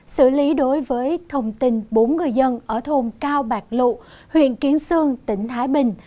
xử lý đối với thông tin bốn người dân ở thôn cao bạc lụ huyện kiến sương tỉnh thái bình